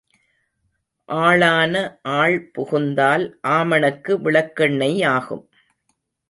ஆளான ஆள் புகுந்தால் ஆமணக்கு விளக்கெண்ணெய் ஆகும்.